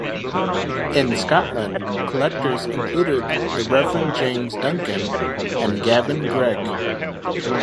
In Scotland collectors included the Reverend James Duncan and Gavin Greig.